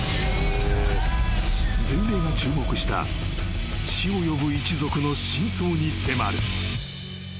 ［全米が注目した死を呼ぶ一族の真相に迫る］